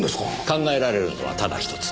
考えられるのはただ一つ。